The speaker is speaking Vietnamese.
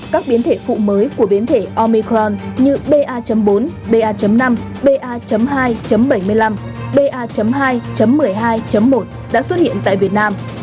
các biến thể phụ mới của biến thể omicron như ba bốn ba năm ba hai bảy mươi năm ba hai một mươi hai một đã xuất hiện tại việt nam